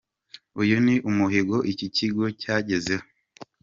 Uyu ni umuhigo iki kigo cyagezeho”.